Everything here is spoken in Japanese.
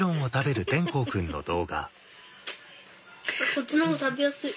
こっちの方が食べやすい。